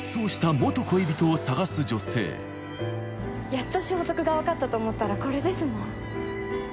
女性やっと消息が分かったと思ったらこれですもん。